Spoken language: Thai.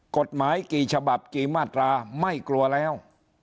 กฎหมายกี่ฉบับกี่มาตราไม่กลัวแล้ว